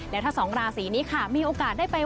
และถ้าสองราศีนี้ค่ะมีโอกาสได้ไป